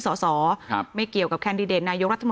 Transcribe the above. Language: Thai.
และการแสดงสมบัติของแคนดิเดตนายกนะครับ